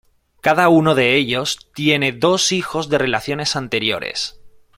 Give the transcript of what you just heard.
Cada uno de ellos tiene dos hijos de relaciones anteriores.